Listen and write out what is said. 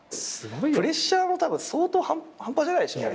プレッシャー相当半端じゃないでしょ。